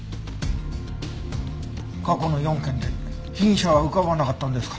過去の４件で被疑者は浮かばなかったんですか？